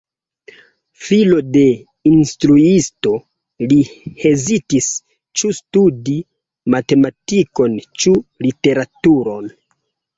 Filo de industriisto, li hezitis ĉu studi matematikon ĉu literaturon.